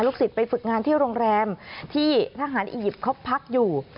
ศิษย์ไปฝึกงานที่โรงแรมที่ทหารอียิปต์เขาพักอยู่